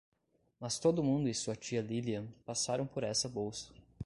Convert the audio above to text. Mas todo mundo e sua tia Lilian passaram por essa bolsa.